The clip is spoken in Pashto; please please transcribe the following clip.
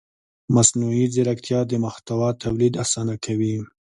مصنوعي ځیرکتیا د محتوا تولید اسانه کوي.